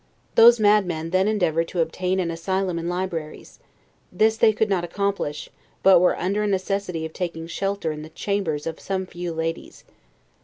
Those madmen then endeavored to obtain an asylum in libraries; this they could not accomplish, but were under a necessity of taking shelter in the chambers of some few ladies.